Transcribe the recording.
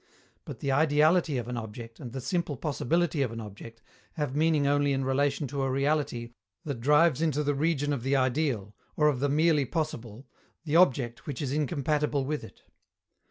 But the "ideality" of an object, and the "simple possibility" of an object, have meaning only in relation to a reality that drives into the region of the ideal, or of the merely possible, the object which is incompatible with it.